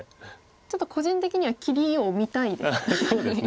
ちょっと個人的には切りを見たいです。